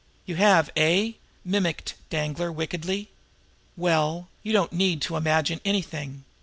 "You have, eh?" mimicked Danglar wickedly. "Well, you don't need to imagine anything!